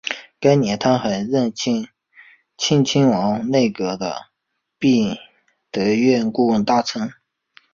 该年他还任庆亲王内阁的弼德院顾问大臣。